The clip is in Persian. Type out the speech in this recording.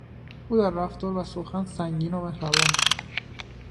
او در رفتار و سخن سنگین و مهربان بود.